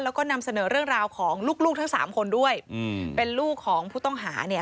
แล้วก็นำเสนอเรื่องราวของลูกลูกทั้งสามคนด้วยอืมเป็นลูกของผู้ต้องหาเนี่ย